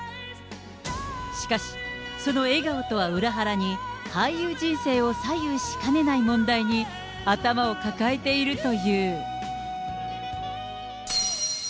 しかしその笑顔とは裏腹に、俳優人生を左右しかねない問題に頭を抱えているという。